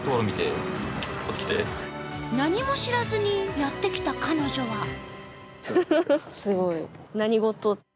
何も知らずにやってきた彼女は